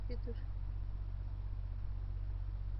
ঈশ্বরের আশীর্বাদ হলো, এক চিমটি সিঁদুর।